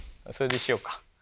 それにしようか。